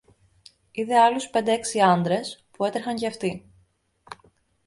είδε άλλους πέντε-έξι άντρες που έτρεχαν και αυτοί.